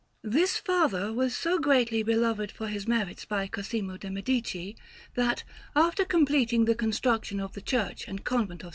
This father was so greatly beloved for his merits by Cosimo de' Medici, that, after completing the construction of the Church and Convent of S.